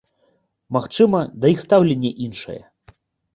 Магчыма, да іх стаўленне іншае.